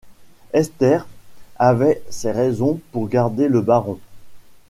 Esther avait ses raisons pour garder le baron.